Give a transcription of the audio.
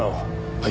はい。